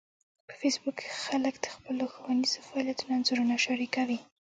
په فېسبوک کې خلک د خپلو ښوونیزو فعالیتونو انځورونه شریکوي